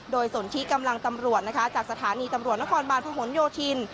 โดยสนที่กำลังตำรวจนะคะจากสถานีตำรวจนครบาลพหนโยธิน